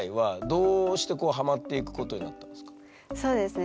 そうですね。